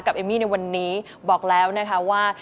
เอมมี่ในวันนี้บอกแล้วนะคะว่า